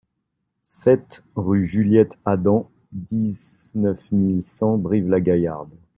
sept rue Juliette Adam, dix-neuf mille cent Brive-la-Gaillarde